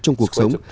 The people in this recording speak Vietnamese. trong cuộc sống